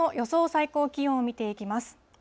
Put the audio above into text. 最高気温を見ていきます。